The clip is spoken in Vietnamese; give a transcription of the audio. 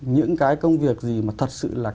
những cái công việc gì mà thật sự là